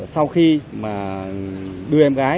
sau khi đưa em gái